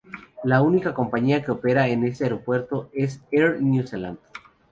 La única compañía que opera en este aeropuerto es Air New Zealand.